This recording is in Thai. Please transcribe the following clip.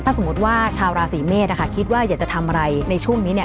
ถ้าสมมุติว่าชาวราศีเมษนะคะคิดว่าอยากจะทำอะไรในช่วงนี้เนี่ย